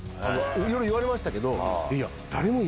いろいろ言われましたけど。